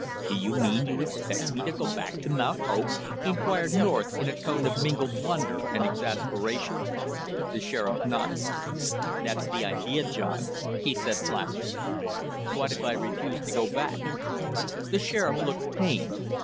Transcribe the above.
"Do you mean you expect me to go back to Mount Hope?" inquired North in a tone of mingled wonder and exasperation. The sheriff nodded. "That's the idea, John," he said placidly. "What if I refuse to go back?" The sheriff looked pained.